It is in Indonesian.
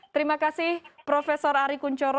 terima kasih prof ari kunchoro